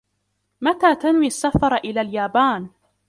متى تنوي السفر إلى اليابان ؟